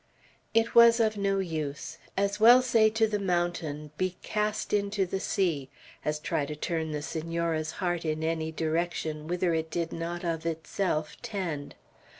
It was of no use. As well say to the mountain, "Be cast into the sea," as try to turn the Senora's heart in any direction whither it did not of itself tend.